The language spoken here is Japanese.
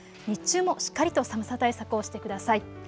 日中もしっかりと寒さ対策をしてください。